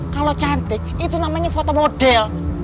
kalau cantik itu namanya foto model